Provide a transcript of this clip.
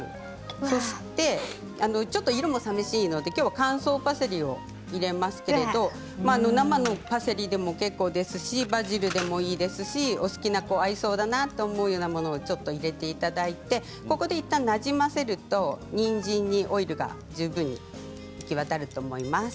そして色も寂しいのできょうは乾燥パセリを入れますけれども生のパセリでも結構ですしバジルでもいいですしお好きな合いそうなものを入れていただいてここでいったんなじませるとにんじんにオイルが十分行き渡ると思います。